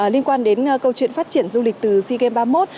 liên quan đến câu chuyện phát triển du lịch từ sea games ba mươi một